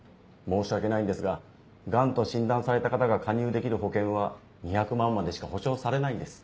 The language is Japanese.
申し訳ないんですがガンと診断された方が加入できる保険は２００万までしか保証されないんです。